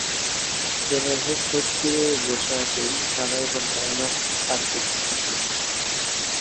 যাঁরা এসব সত্যি ভেবে বসে আছেন, তাঁরা এবার ধারণাটা পাল্টে ফেলতে পারেন।